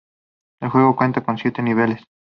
El juego cuenta con siete niveles.